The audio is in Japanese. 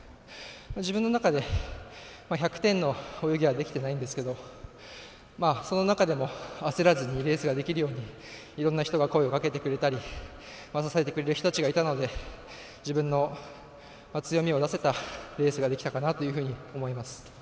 自分の中で１００点の泳ぎはできてないんですけどその中でも焦らずにレースができるようにいろんな人が声をかけてくれたら支えてくれた人がいたので自分の強みを出せたレースができたかなと思います。